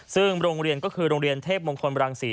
ซึ่งโรงเรียนก็คือโรงเรียนเทพมงคลบรังศรี